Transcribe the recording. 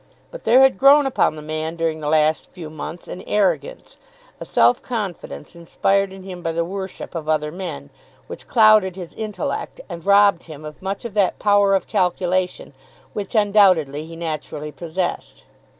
But there had grown upon the man during the last few months an arrogance, a self confidence inspired in him by the worship of other men, which clouded his intellect, and robbed him of much of that power of calculation which undoubtedly he naturally possessed.